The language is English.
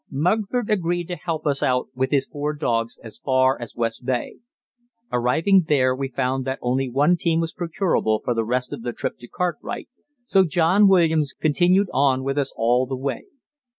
Mugford agreed to help us out with his four dogs as far as West Bay. Arriving there, we found that only one team was procurable for the rest of the trip to Cartwright, so John Williams continued on with us all the way.